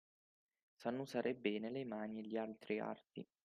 Sanno usare bene le mani e gli altri arti